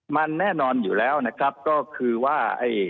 มันแน่นอนอยู่แล้วนะครับก็คือว่า